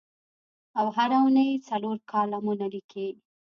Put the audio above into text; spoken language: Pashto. او هره اوونۍ څلور کالمونه لیکي.